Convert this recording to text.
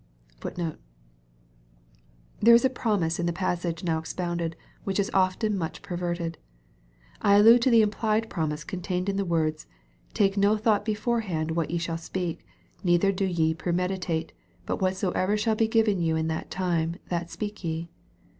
There is a promise in the passage now expounded which is often much perverted. I allude to the implied promise contained in the words, "Take no thought beforehand what ye shall speak, neither do ye premeditate : but whatsoever shall be given you in that time, that speak ye."